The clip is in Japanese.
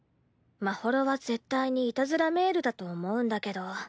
まほろは絶対にいたずらメールだと思うんだけど。